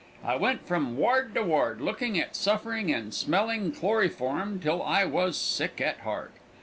I went from ward to ward, looking at suffering and smelling kloryform till I was sick at heart.